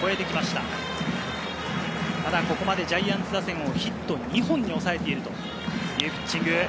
ただここまでジャイアンツ打線をヒット２本に抑えているというピッチング。